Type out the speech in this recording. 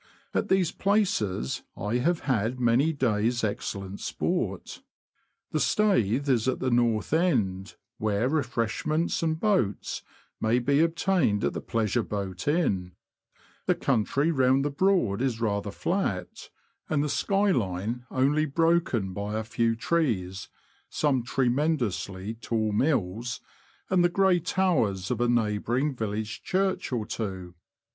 At these places I have had many days' excellent sport. The Staithe is at the north end, where refreshments and THURNE MOUTH TO HICKLING, ETC. 197 boats may be obtained at the Pleasure Boat Inn. The country round the Broad is rather flat, and the sky Hne only broken by a few trees, some tremendously tall mills, and the grey towers of a neighbouring village church or two.